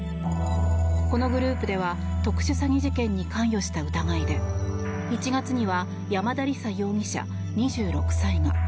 このグループでは特殊詐欺事件に関与した疑いで１月には山田李沙容疑者、２６歳が。